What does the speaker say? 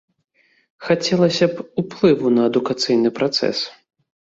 Хацелася б уплыву на адукацыйны працэс.